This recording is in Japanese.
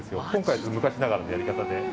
今回、昔ながらのやり方で。